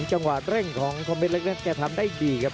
จังหวะแร่งของคอมเพชรเล็กแกทำได้ดีครับ